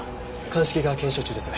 鑑識が検証中です。